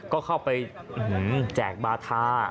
ก็เข้าไปแจกบาธา